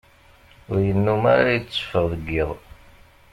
Ur yennum ara yetteffeɣ deg iḍ.